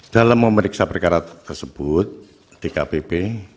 dalam memeriksa perkara tersebut di kpb